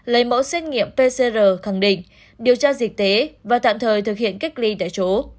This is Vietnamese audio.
lấy mẫu xét nghiệm pcr khẳng định điều tra dịch tễ và tạm thời thực hiện cách ly tại chỗ